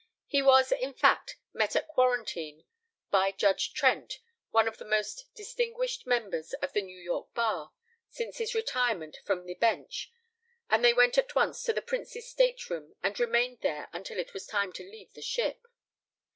He was, in fact, met at Quarantine by Judge Trent, one of the most distinguished members of the New York Bar since his retirement from the Bench, and they went at once to the Prince's stateroom and remained there until it was time to leave the ship.